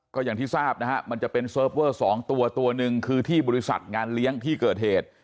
ก็อย่างที่ทราบนะฮะมันจะเป็นเซิร์ฟเวอร์๒ตัวตัวหนึ่งคือที่บริษัทงานเลี้ยงที่เกิดเหตุ